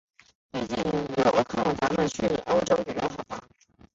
刚好最近有空，咱们去欧洲旅游好吗？